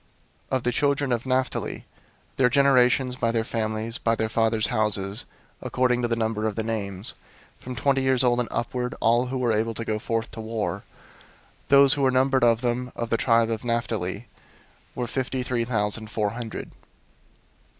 001:042 Of the children of Naphtali, their generations, by their families, by their fathers' houses, according to the number of the names, from twenty years old and upward, all who were able to go forth to war; 001:043 those who were numbered of them, of the tribe of Naphtali, were fifty three thousand four hundred.